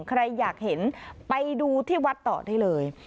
ใครอยากเห็นไปดูที่วัดต่อได้เลย